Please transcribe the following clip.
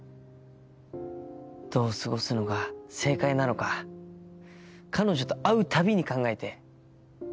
どう過ごすのが正解なのか彼女と会うたびに考えて。